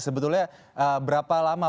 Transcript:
sebetulnya berapa lama